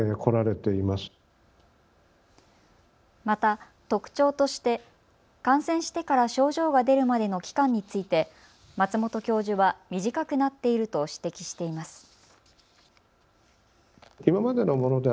また特徴として感染してから症状が出るまでの期間について松本教授は短くなっていると指摘しています。